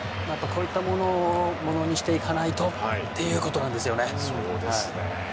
こういったところをものにしていかないとそうなんですね。